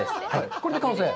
これで完成？